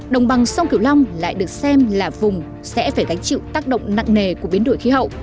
đồng bằng sông kiểu long lại được xem là vùng sẽ phải gánh chịu tác động nặng nề của biến đổi khí hậu